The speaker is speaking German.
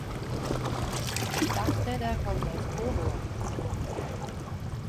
Ich dachte, der kommt aus Coburg?